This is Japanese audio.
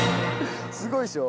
すごいでしょ。